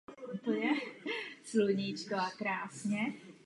Svými fotografickými obrazy se Richter v Německu brzy prosadil.